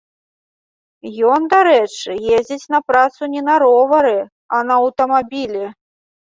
Ён, дарэчы, ездзіць на працу не на ровары, а на аўтамабілі.